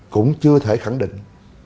cũng chưa thể khẳng định